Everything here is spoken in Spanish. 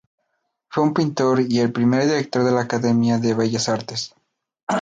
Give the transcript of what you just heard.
Fue un pintor y el primer Director de la Academia de Bellas Artes.